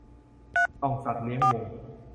ส่องสัตว์เลี้ยงวง